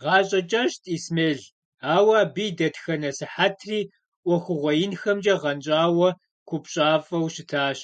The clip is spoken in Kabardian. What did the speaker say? ГъащӀэ кӀэщӀт Исмел, ауэ абы и дэтхэнэ сыхьэтри Ӏуэхугъуэ инхэмкӀэ гъэнщӀауэ, купщӀафӀэу щытащ.